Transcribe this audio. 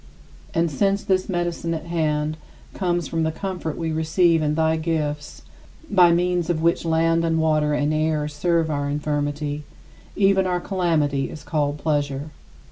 And since this medicine at hand comes from the comfort we receive in thy gifts (by means of which land and water and air serve our infirmity), even our calamity is called pleasure.